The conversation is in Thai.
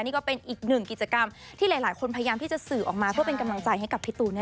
นี่ก็เป็นอีกหนึ่งกิจกรรมที่หลายคนพยายามที่จะสื่อออกมาเพื่อเป็นกำลังใจให้กับพี่ตูน